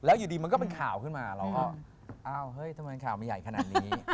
แล้วอยู่ดีมันก็เป็นข่าวขึ้นมาเราก็อ้าวเฮ้ยทำไมข่าวมันใหญ่ขนาดนี้